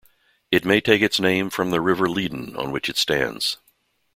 It may take its name from the River Leadon on which it stands.